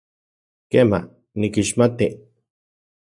Kema, nikixmati.